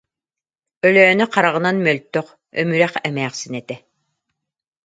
Өлөөнө хараҕынан мөлтөх, өмүрэх эмээхсин этэ